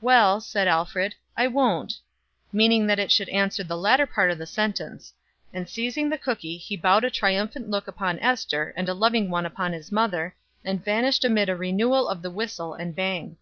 "Well," said Alfred, "I won't," meaning that it should answer the latter part of the sentence; and seizing a cookie he bestowed a triumphant look upon Ester and a loving one upon his mother, and vanished amid a renewal of the whistle and bang.